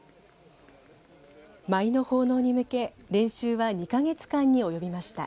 舞の奉納に向け練習は２か月間に及びました。